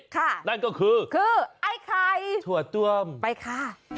นั่นก็คือคือไอ้ไข่ถั่วต้วมไปค่ะ